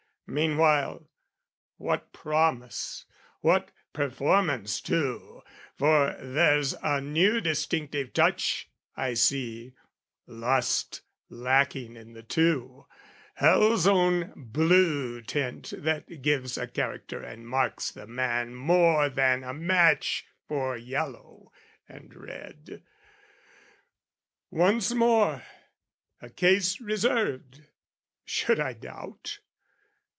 Meanwhile, what promise, what performance too! For there's a new distinctive touch, I see, Lust lacking in the two hell's own blue tint That gives a character and marks the man More than a match for yellow and red. Once more, A case reserved: should I doubt?